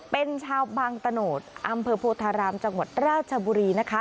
เป็นชาวบางตะโนธอำเภอโพธารามจังหวัดราชบุรีนะคะ